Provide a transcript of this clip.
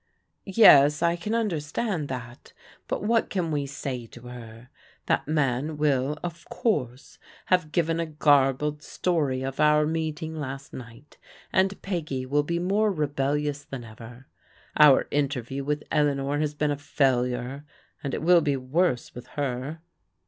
" Yes, I can understand that, but what can we say to her? That man will, of course, have g^ven a garbled story of our meeting last night, and Peggy will be more rebellious than ever. Our interview with Eleanor has been a failure, and it will be worse with her."